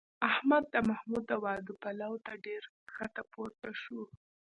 احمد د محمود د واده پلو ته ډېر ښکته پورته شو